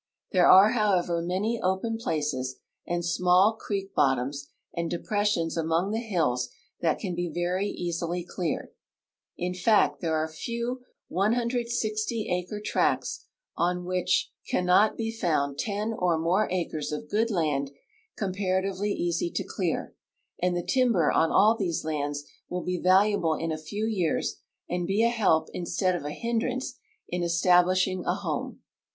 There are, however, many open ))laces and small creek lafitoms and depressions among the hills that can be v('ry easily cleared. In fact, there are few IfiO acre tracts on which 138 THE OLYMPIC COUNTRY cannot be found ten or more acres of good land comparatively easy to clear, and the timber on all these lands will be valuable in a few years and be a help instead of a hindrance in establish ing a home.